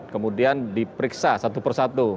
kemudian diperiksa satu persatu